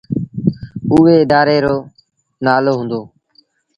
اُئي ادآري رو نآلو هُݩدو۔